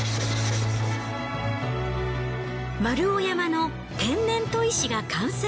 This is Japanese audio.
丸尾山の天然砥石が完成。